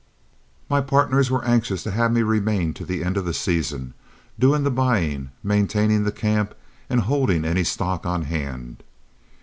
My partners were anxious to have me remain to the end of the season, doing the buying, maintaining the camp, and holding any stock on hand.